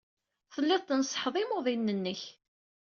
Telliḍ tneṣṣḥeḍ imuḍinen-nnek.